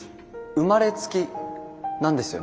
生まれつきなんですよね。